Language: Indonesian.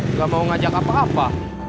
nggak mau ngajak apa apa